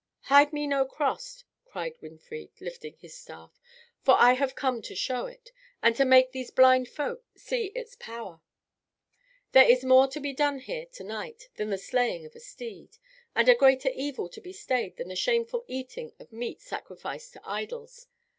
"Hide me no cross," cried Winfried, lifting his staff, "for I have come to show it, and to make these blind folk see its power. There is more to be done here to night than the slaying of a steed, and a greater evil to be stayed than the shameful eating of meat sacrificed to idols.